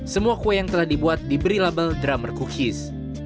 semua kue yang telah dibuat diberi label drummer cookies